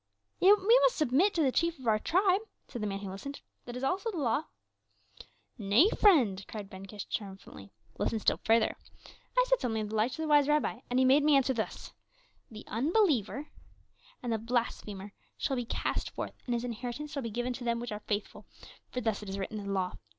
'" "Yet must we submit to the chief of our tribe," said the man who listened, "that is also the law." "Nay, friend," cried Ben Kish triumphantly, "listen still further. I said something of the like to the wise Rabbi, and he made me answer thus: 'The unbeliever and the blasphemer shall be cast forth and his inheritance shall be given to them which are faithful, for thus is it written in the law.